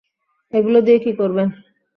এগুলো দিয়ে কী করবেন?